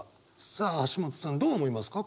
さあ橋本さんどう思いますか？